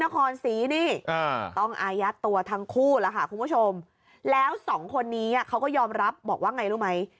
คุณผู้ชมแล้วสองคนนี้เขาก็ยอมรับบอกว่าไงรู้ไหม